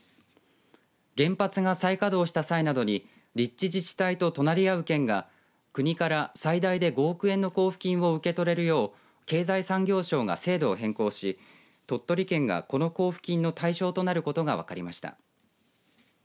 原発が再稼働した際などに立地自治体と隣り合う県が国から最大で５億円の交付金を受け取れるよう経済産業省が制度を変更し鳥取県が、この交付金の対象となることが分かりました。